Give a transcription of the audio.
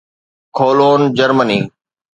Cologne, Germany